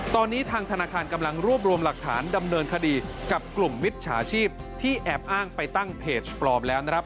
ตอนนี้ทางธนาคารกำลังรวบรวมหลักฐานดำเนินคดีกับกลุ่มมิจฉาชีพที่แอบอ้างไปตั้งเพจปลอมแล้วนะครับ